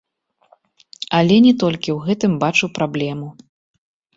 Але не толькі ў гэтым бачу праблему.